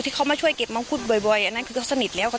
เพราะอาเองก็ดูข่าวน้องชมพู่